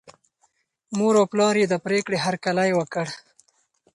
مور او پلار یې د پرېکړې هرکلی وکړ.